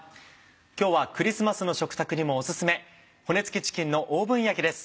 今日はクリスマスの食卓にもオススメ「骨つきチキンのオーブン焼き」です。